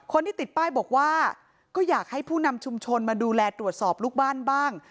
คนที่ติดป้ายบอกว่าก็อยากให้ผู้นำชุมชนมาดูแลตรวจสอบลูกบ้านบ้าง